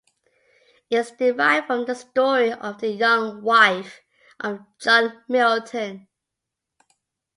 It is derived from the story of the young wife of John Milton.